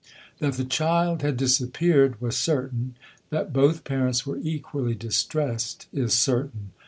That the child had disappeared was certain, that both parents were equally distressed is certain.